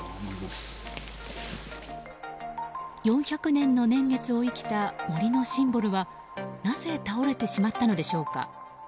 ４００年の年月を生きた森のシンボルはなぜ倒れてしまったのでしょうか。